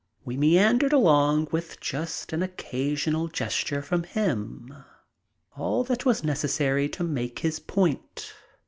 We meandered along with just an occasional gesture from him, all that was necessary to make his point.